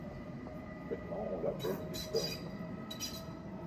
Maintenant on l’appelle Victor.